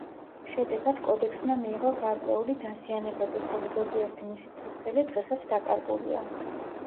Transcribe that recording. შედეგად კოდექსმა მიიღო გარკვეული დაზიანებები, ხოლო ზოგიერთი მისი ფურცელი დღესაც დაკარგულია.